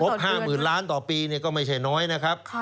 ๕๐๐๐ล้านต่อปีก็ไม่ใช่น้อยนะครับ